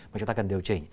mà chúng ta cần điều chỉnh